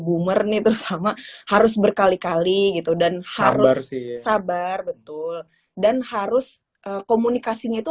boomernya itu sama harus berkali kali itu dan harus sabar betul dan harus komunikasinya itu